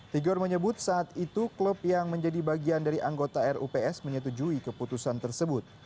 tigor menyebut saat itu klub yang menjadi bagian dari anggota rups menyetujui keputusan tersebut